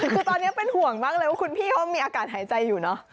คือตอนนี้เป็นห่วงมากเลยว่าคุณพี่เขามีอากาศหายใจอยู่เนอะ